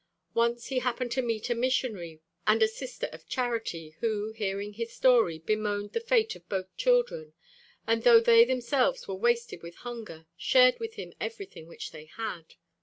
Once he happened to meet a missionary and a sister of charity, who, hearing his story, bemoaned the fate of both children, and though they themselves were wasted with hunger, shared with him everything which they had.